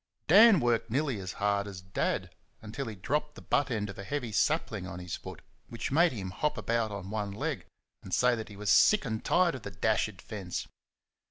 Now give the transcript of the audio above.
Dan worked nearly as hard as Dad until he dropped the butt end of a heavy sapling on his foot, which made him hop about on one leg and say that he was sick and tired of the dashed fence.